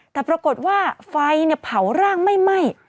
แต่ปรากฏว่าไฟเผาร่างไม่ไหม้